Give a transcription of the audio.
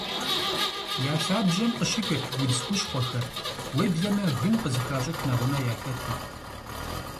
Я лъабжьэм къыщыкӀырт удз хущхъуэхэр, уеблэмэ гын къызыхащӀыкӀ нэгъунэ яхэту.